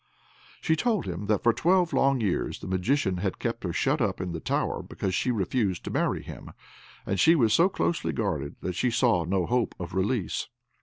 She told him that for twelve long years the Magician had kept her shut up in the tower because she refused to marry him, and she was so closely guarded that she saw no hope of release.